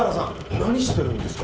何してるんですか？